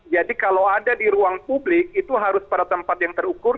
jadi kalau ada di ruang publik itu harus pada tempat yang terukur